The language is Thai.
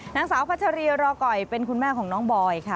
นางสาวพัชรีรอก่อยเป็นคุณแม่ของน้องบอยค่ะ